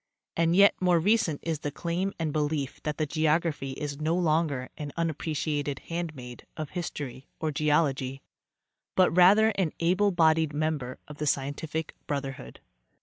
and yet more recent is the claim and belief that geog raphy is no longer an unappreciated handmaid of history or geology, but rather an able bodied member of the scientific brotherhood.